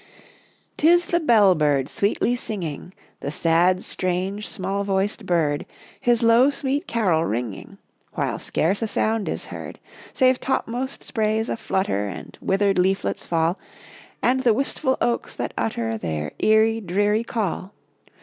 "' Tis the bell bird sweetly singing, The sad, strange, small voiced bird, His low sweet carol ringing, While scarce a sound is heard, Save topmost sprays aflutter, And withered leaflets fall, And the wistful oaks that utter Their eerie, drearie, call.